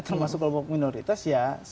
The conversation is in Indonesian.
termasuk kelompok minoritas ya